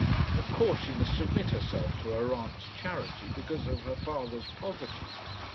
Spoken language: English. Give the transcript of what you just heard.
Of course she must submit herself to her aunt's charity, because of her father's poverty.